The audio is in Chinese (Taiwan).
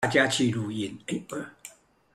大家去錄音